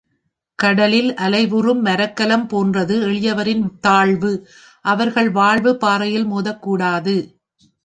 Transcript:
கடலில் அலைவுறும் மரக்கலம் போன்றது எளியவரின் தாழ்வு அவர்கள் வாழ்வு பாறையில் மோதக் கூடாது.